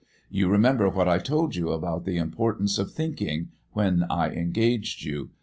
You remember what I told you about the importance of thinking, when I engaged you.